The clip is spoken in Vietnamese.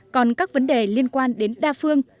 còn các vấn đề liên quan đến đa phương